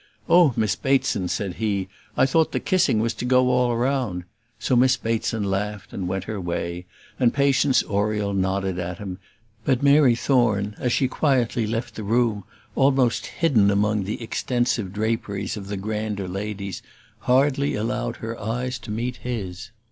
"Oh, Miss Bateson," said he, "I thought the kissing was to go all round." So Miss Bateson laughed and went her way; and Patience Oriel nodded at him, but Mary Thorne, as she quietly left the room, almost hidden among the extensive draperies of the grander ladies, hardly allowed her eyes to meet his.